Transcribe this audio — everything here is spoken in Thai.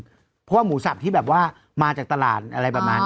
เพราะว่าหมูสับที่แบบว่ามาจากตลาดอะไรประมาณนี้